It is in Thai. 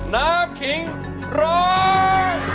น้ำขิงร้อง